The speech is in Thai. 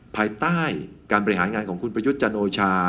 ภายใต้การบริหารงานของคุณประยุทธ์จันโอชา